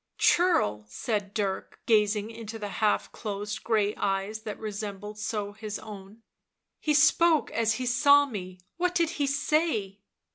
" Churl," said Dirk, gazing into the half closed grey eyes that resembled so his own. " He spoke — as he saw me; what did he say?"